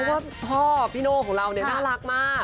เพราะว่าพ่อพี่โน่ของเราเนี่ยน่ารักมาก